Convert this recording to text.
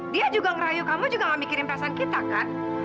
dia juga ngerayu kamu juga gak mikirin perasaan kita kan